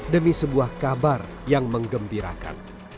demi sebuah kabar yang mengembirakan